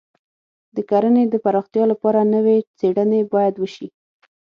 د کرنې د پراختیا لپاره نوې څېړنې باید وشي.